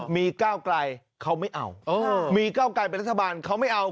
มีก้าวไกลเขาไม่เอามีก้าวไกลเป็นรัฐบาลเขาไม่เอา